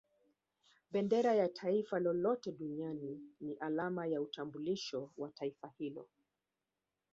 Bendera ya Taifa lolote Duniani ni alama ya utambulisho wa Taifa hilo